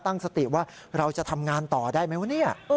ตั้งสติว่าเราจะทำงานต่อได้ไหมวะเนี่ย